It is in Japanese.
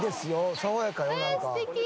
爽やかよなんか。